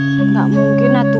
sudah mine nya selamat